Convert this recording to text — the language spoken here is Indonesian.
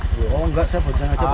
oh enggak saya baca aja pak